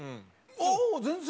ああ全然。